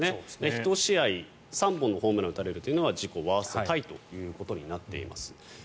１試合３本のホームランを打たれるのは自己ワーストタイとなっています。